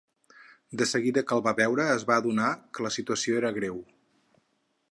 De seguida que el va veure es va adonar que la situació era greu.